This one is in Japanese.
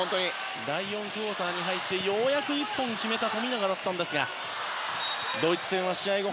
第４クオーターに入ってようやく１本決めた富永でしたがドイツ戦は試合後